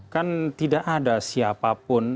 kan tidak ada siapapun